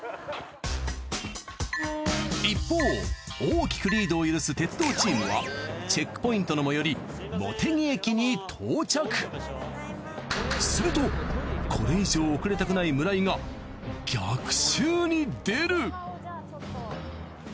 一方大きくリードを許す鉄道チームはチェックポイントの最寄りするとこれ以上遅れたくない村井が逆襲に出る！